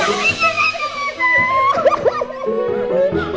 aduh renan renan